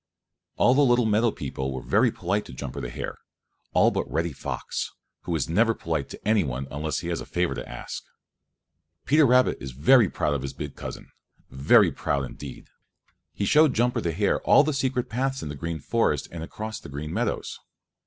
All the little meadow people were very polite to Jumper the Hare, all but Reddy Fox, who is never polite to any one unless he has a favor to ask. Peter Rabbit was very proud of his big cousin, very proud indeed. He showed Jumper the Hare all the secret paths in the Green Forest and across the Green Meadows.